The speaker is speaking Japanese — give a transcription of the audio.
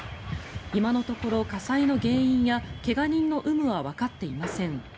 今のところ火災の原因や怪我人の有無はわかっていません。